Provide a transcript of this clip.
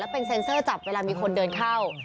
เป็นเซ็นเซอร์จับเวลามีคนเดินเข้า